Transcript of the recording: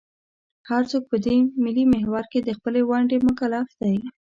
هر څوک په دې ملي محور کې د خپلې ونډې مکلف دی.